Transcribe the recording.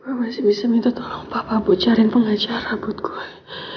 gue masih bisa minta tolong papa buat cari pengajar rambut gue